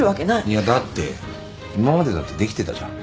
いやだって今までだってできてたじゃん。